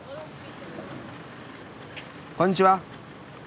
こんにちは。